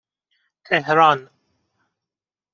تهران